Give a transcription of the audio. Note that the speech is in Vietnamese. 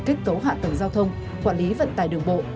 kết cấu hạ tầng giao thông quản lý vận tải đường bộ